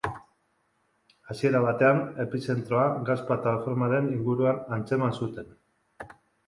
Hasiera batean, epizentroa gas plataformaren inguruan antzeman zuten.